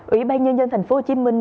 ủy ban nhân dân thành phố hồ chí minh